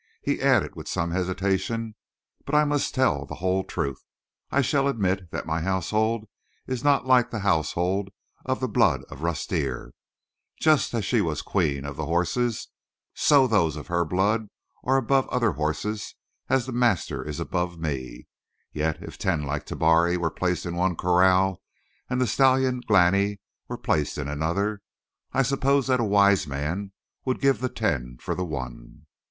He added with some hesitation: "But if I must tell the whole truth, I shall admit that my household is not like the household of the blood of Rustir. Just as she was the queen of horses, so those of her blood are above other horses as the master is above me. Yet, if ten like Tabari were placed in one corral and the stallion Glani were placed in another, I suppose that a wise man would give the ten for the one."